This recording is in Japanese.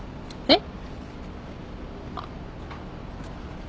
えっ！？